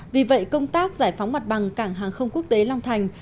vì vậy công tác giải phóng mặt bằng cảng hàng không quốc tế long thành